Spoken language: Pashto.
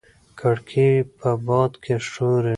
کړکۍ په باد کې ښوري.